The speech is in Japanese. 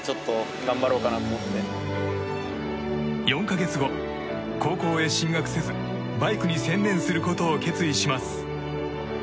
４か月後、高校へ進学せずバイクに専念することを決意します。